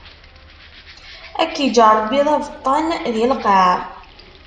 Ad k-iǧǧ Ṛebbi d abeṭṭan di lqaɛ!